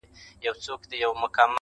ماته را پاتې دې ښېرې، هغه مي بيا ياديږي_